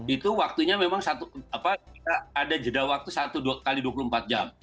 itu waktunya memang satu x dua puluh empat jam